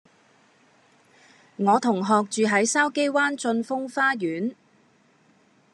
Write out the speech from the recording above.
我同學住喺筲箕灣峻峰花園